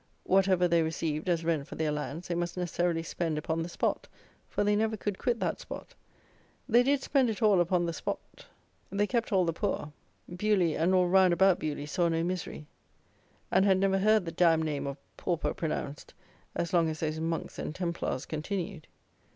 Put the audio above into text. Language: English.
Whatever they received, as rent for their lands, they must necessarily spend upon the spot, for they never could quit that spot. They did spend it all upon the spot: they kept all the poor; Beuley, and all round about Beuley, saw no misery, and had never heard the damned name of pauper pronounced, as long as those monks and Templars continued!